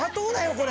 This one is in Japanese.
これ。